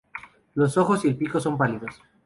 Los ojos y el pico son pálidos.